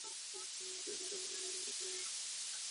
洛伊波尔茨格林是德国巴伐利亚州的一个市镇。